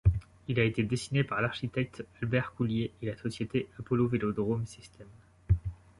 Il a été dessiné par l'architecte Albert Coulier et la société Apollo Velodrome Systems.